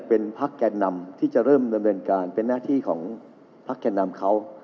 เป็นพักแก่นำที่จะเริ่มดำเนินการเป็นหน้าที่ของพักแก่นำเขา